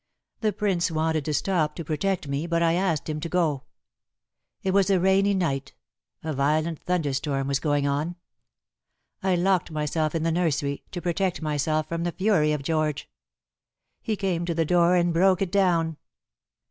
The Prince wanted to stop to protect me, but I asked him to go. It was a rainy night, a violent thunderstorm was going on. I locked myself in the nursery, to protect myself from the fury of George. He came to the door and broke it down."